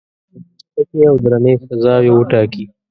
سپکې او درنې سزاوي وټاکي.